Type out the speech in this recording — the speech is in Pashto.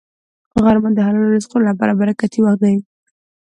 غرمه د حلالو رزقونو لپاره برکتي وخت دی